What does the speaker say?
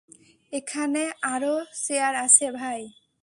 এখানে আরও চেয়ার আছে, ভাই।